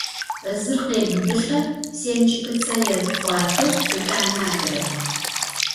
Zır khêbıbılh'e, sêmçıkıtse yêpxhuate, yêt'ane – adrer …